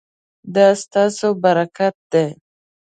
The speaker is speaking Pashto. دا ستاسو برکت دی